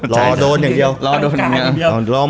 รอโดนอย่างเดียว